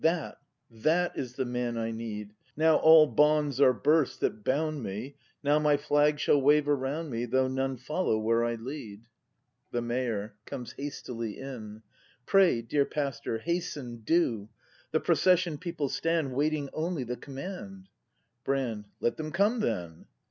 ] That, that is the man I need ! Now all bonds are burst that bound me Now my flag shall wave around me Though none follow where I leadl The Mayor. [Comes hastily in.] Pray, dear Pastor, hasten, do! The procession people stand "Waiting only the command — Brand. Let them come then!